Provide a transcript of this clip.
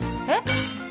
えっ⁉